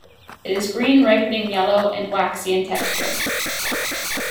It is green, ripening yellow, and waxy in texture.